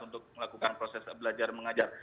untuk melakukan proses belajar mengajar